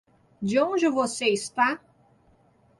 De onde você está?